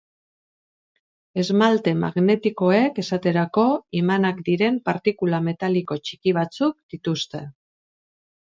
Esmalte magnetikoek, esaterako, imanak diren partikula metaliko txiki batzuk dituzte.